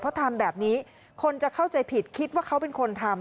เพราะทำแบบนี้คนจะเข้าใจผิดคิดว่าเขาเป็นคนทำ